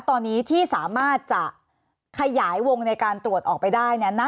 ตอนนี้ที่สามารถจะขยายวงในการตรวจออกไปได้เนี่ย